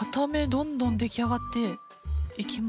どんどん出来上がっていきますね。